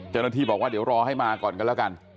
เจ้าหน้าที่บอกว่าเดี๋ยวรอให้มาก่อนกันแล้วกัน